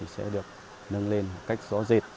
sẽ được nâng lên cách gió dệt